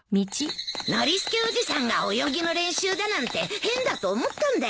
ノリスケおじさんが泳ぎの練習だなんて変だと思ったんだよ。